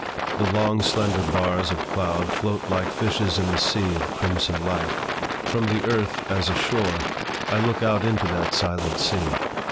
The long slender bars of cloud float like fishes in the sea of crimson light. From the earth, as a shore, I look out into that silent sea.